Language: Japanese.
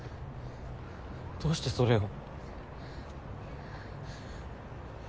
どうしてそれを。